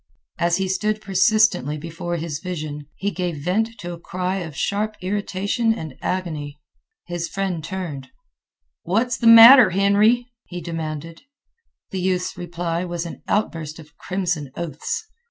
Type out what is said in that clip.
As he stood persistently before his vision, he gave vent to a cry of sharp irritation and agony. His friend turned. "What's the matter, Henry?" he demanded. The youth's reply was an outburst of crimson oaths.